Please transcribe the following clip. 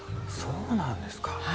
そうなんですか。